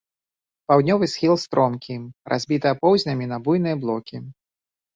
Паўднёвы схіл стромкі, разбіты апоўзнямі на буйныя блокі.